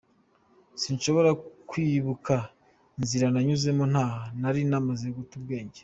Sinshobora kwibuka inzira nanyuzemo ntaha, nari namaze guta ubwenge.